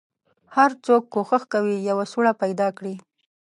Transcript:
هر څوک کوښښ کوي یوه سوړه پیدا کړي.